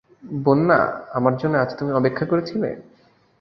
বন্যা, আমার জন্যে আজ তুমি অপেক্ষা করে ছিলে?